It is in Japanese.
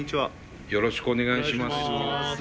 よろしくお願いします。